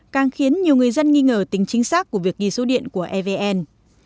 càng khiến nhiều người dân nghi ngờ tính chính xác của việc ghi số điện của evn